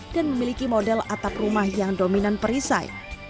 dan memiliki model atap rumah yang dominan perisai